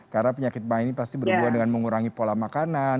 karena penyakit ma ini pasti berhubungan dengan mengurangi pola makanan